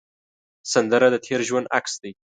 سندره د تېر ژوند عکس دی